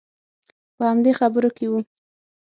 په همدې خبرو کې وو.